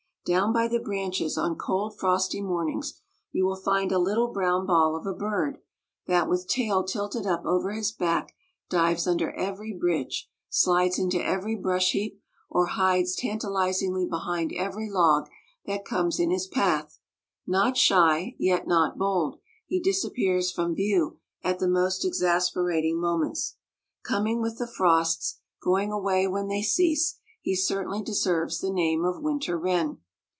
Down by the branches on cold frosty mornings you will find a little brown ball of a bird, that with tail tilted up over his back dives under every bridge, slides into every brush heap, or hides tantalizingly behind every log that comes in his path. Not shy, yet not bold, he disappears from view at the most exasperating moments. Coming with the frosts, going away when they cease, he certainly deserves the name of winter wren.